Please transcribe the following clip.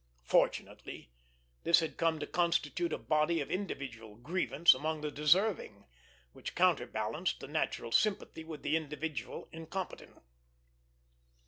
Fortunately, this had come to constitute a body of individual grievance among the deserving, which counterbalanced the natural sympathy with the individual incompetent.